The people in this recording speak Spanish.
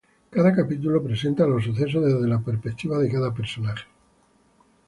Cada capítulo presenta los sucesos desde la perspectiva de cada personaje.